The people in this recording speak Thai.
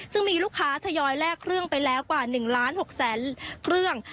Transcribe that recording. ซึ่งมีลูกค้าทยอยแลกเครื่องไปแล้วกว่า๑ล้าน๖แสนเครื่อง